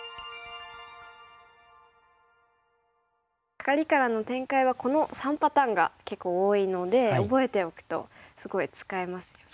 カカリからの展開はこの３パターンが結構多いので覚えておくとすごい使えますよね。